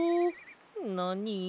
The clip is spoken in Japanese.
なに？